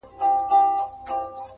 د شاهي تاج در پرسر کي